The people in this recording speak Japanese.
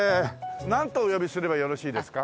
なんとお呼びすればよろしいですか？